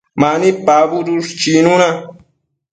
Mani pabudush chicnuna